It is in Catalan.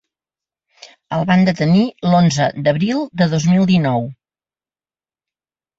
El van detenir l’onze d’abril de dos mil dinou.